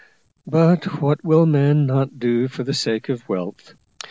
But what will man not do for the sake of wealth?